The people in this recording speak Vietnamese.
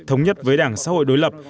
thống nhất với đảng xã hội đối lập